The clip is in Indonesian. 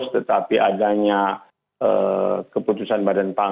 tetapi adanya keputusan badan pangan